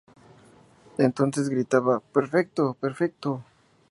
Entonces gritaba "¡Perfecto, perfecto!